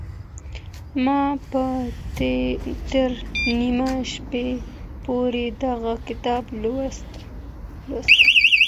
ما به تر نيمي شپې پوري دغه کتاب لوست.